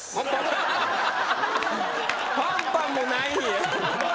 パンパンもないんや。